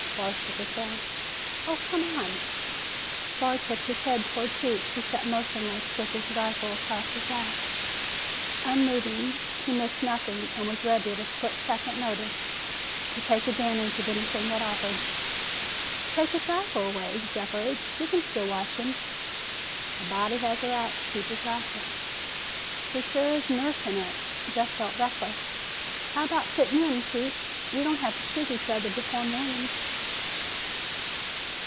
Barr shook his head. "Oh, come on!" Barr tipped his head toward Pete, who sat motionless, with his rifle across his lap. Unmoving, he missed nothing and was ready at a split second notice to take advantage of anything that offered. "Take his rifle away," Jeff urged. "You can still watch him." "A body has the right to keep his rifle." "He sure is nursing it." Jeff felt reckless. "How about sitting in, Pete? We don't have to shoot each other before morning."